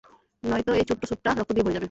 নয়তো এই ছোট্ট স্যুটটা রক্ত দিয়ে ভরে যাবে।